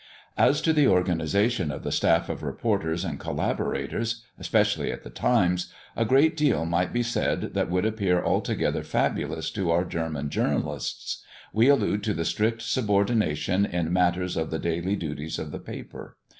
As to the organisation of the staff of reporters and collaborators, especially at the Times, a great deal might be said that would appear altogether fabulous to our German journalists. We allude to the strict subordination in matters of the daily duties of the paper.